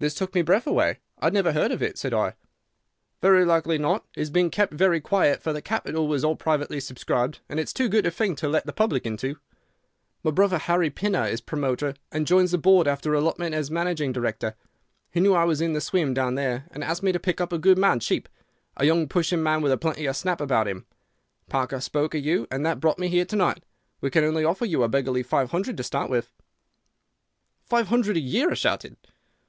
"This took my breath away. 'I never heard of it,' said I. "'Very likely not. It has been kept very quiet, for the capital was all privately subscribed, and it's too good a thing to let the public into. My brother, Harry Pinner, is promoter, and joins the board after allotment as managing director. He knew I was in the swim down here, and asked me to pick up a good man cheap. A young, pushing man with plenty of snap about him. Parker spoke of you, and that brought me here to night. We can only offer you a beggarly five hundred to start with.' "'Five hundred a year!' I shouted.